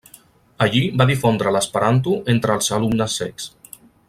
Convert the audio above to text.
Allí va difondre l'esperanto entre els alumnes cecs.